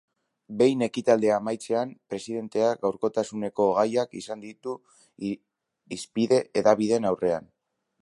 Behin ekitaldia amaitzean, presidenteak gaurkotasuneko gaiak izan ditu hizpide hedabideen aurrean.